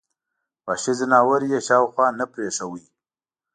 وحشي ځناور یې شاوخوا نه پرېښود.